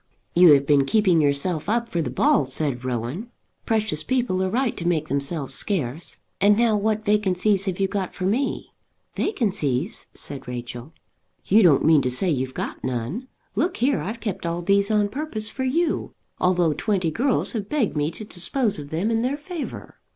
"You have been keeping yourself up for the ball," said Rowan. "Precious people are right to make themselves scarce. And now what vacancies have you got for me?" "Vacancies!" said Rachel. "You don't mean to say you've got none. Look here, I've kept all these on purpose for you, although twenty girls have begged me to dispose of them in their favour."